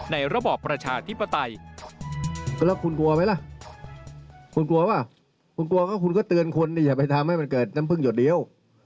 ในระบอบประชาธิปไตย